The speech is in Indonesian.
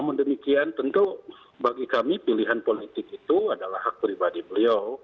namun demikian tentu bagi kami pilihan politik itu adalah hak pribadi beliau